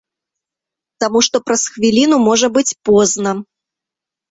Таму што праз хвіліну можа быць позна.